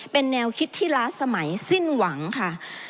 เป็นแนวคิดที่ล้าสมัยสิ้นหวังค่ะ